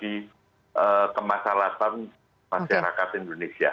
untuk kemasalahan masyarakat indonesia